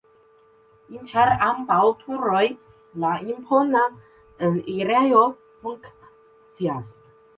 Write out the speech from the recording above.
Inter ambaŭ turoj la impona enirejo funkcias.